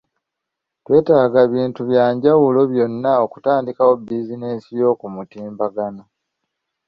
Teweetaaga bintu bya njawulo byonna, okutandikawo bizinensi y'oku mutimbagano.